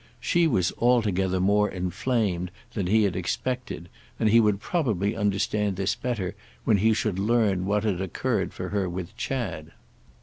She was altogether more inflamed than he had expected, and he would probably understand this better when he should learn what had occurred for her with Chad.